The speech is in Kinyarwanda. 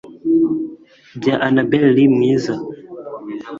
bya annabel lee mwiza